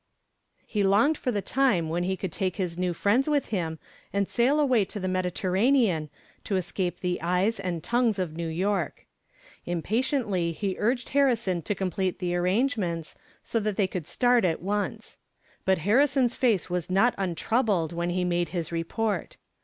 He longed for the time when he could take his few friends with him and sail away to the Mediterranean to escape the eyes and tongues of New York. Impatiently he urged Harrison to complete the arrangements, so that they could start at once. But Harrison's face was not untroubled when he made his report.